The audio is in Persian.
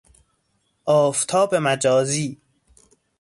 آفتاب مجازی